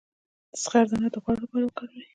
د زغر دانه د غوړ لپاره وکاروئ